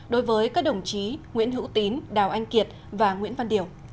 đối với các đồng chí nguyễn hữu tín đào anh kiệt và nguyễn văn điều